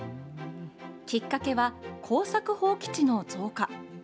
きっかけは耕作放棄地の増加。